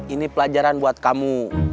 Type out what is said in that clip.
ini pelajaran buat kamu